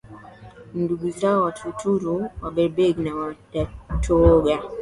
ni ndugu zao Wataturu Waberbaig au Wadatooga